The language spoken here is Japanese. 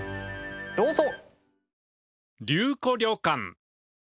どうぞ！